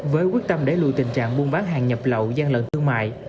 với quyết tâm để lùi tình trạng buôn bán hàng nhập lậu gian lận thương mại